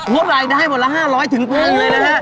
งดรายได้หมดละ๕๐๐ถึงบุญเลยนะฮะ